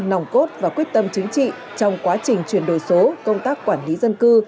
nòng cốt và quyết tâm chính trị trong quá trình chuyển đổi số công tác quản lý dân cư